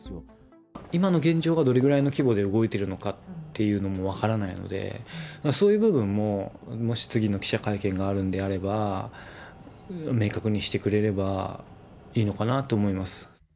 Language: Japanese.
今の現状がどれぐらいの規模で動いているのかっていうのも分からないので、そういう部分も、もし次の記者会見があるんであれば、明確にしてくれればいいのかなって思います。